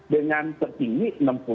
dengan tertinggi enam puluh